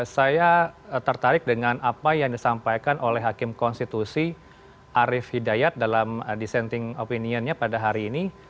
saya tertarik dengan apa yang disampaikan oleh hakim konstitusi arief hidayat dalam dissenting opinionnya pada hari ini